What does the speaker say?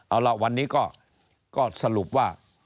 เอาล่ะวันนี้ก็สรุปว่า